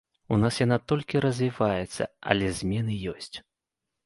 У нас яна толькі развіваецца, але змены ёсць.